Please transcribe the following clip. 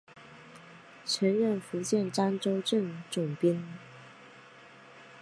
曾任福建漳州镇总兵。